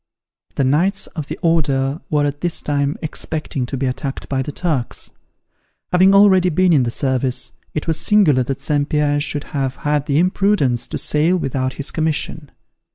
The Knights of the Order were at this time expecting to be attacked by the Turks. Having already been in the service, it was singular that St. Pierre should have had the imprudence to sail without his commission.